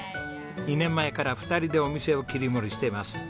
２年前から２人でお店を切り盛りしています。